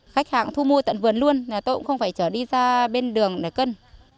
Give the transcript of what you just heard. khách hàng thu mua tận vườn luôn tôi cũng không phải chở đi ra bên đường để cân